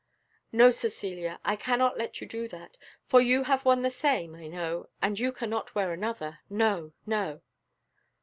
"No, Cecilia, I cannot let you do that, for you have one the same, I know, and you cannot want another no, no."